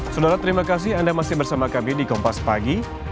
saudara terima kasih anda masih bersama kami di kompas pagi